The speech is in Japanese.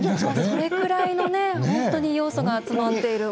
それぐらいの要素が詰まっている。